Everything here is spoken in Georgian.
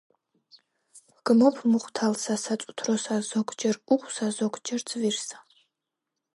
ვჰგმობ მუხთალსა საწუთროსა, ზოგჯერ უხვსა, ზოგჯერ ძვირსა